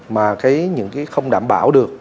mà những cái không đảm bảo được